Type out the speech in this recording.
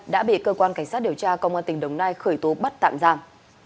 đã bị cơ quan cảnh sát điều tra công an tỉnh đồng nai khởi tố bắt tạm giam